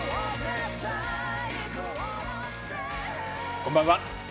こんばんは。